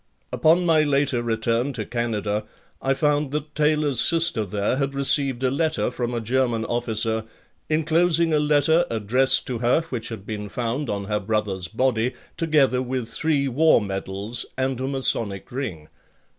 Upon my later return to Canada I found that Taylor's sister there had received a letter from a German officer enclosing a letter addressed to her which had been found on her brother's body, together with three war medals and a Masonic ring.